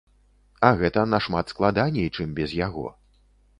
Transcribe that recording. А гэта нашмат складаней, чым без яго.